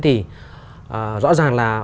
thì rõ ràng là